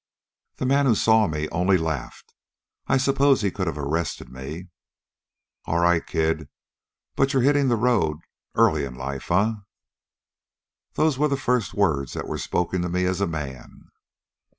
"The man who saw me only laughed. I suppose he could have arrested me. "'All right, kid, but you're hitting the road early in life, eh!' "Those were the first words that were spoken to me as a man.